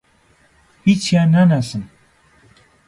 هیچیان ناناسم.